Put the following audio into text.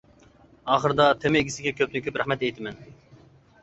ئاخىرىدا تېما ئىگىسىگە كۆپتىن كۆپ رەھمەت ئېيتىمەن.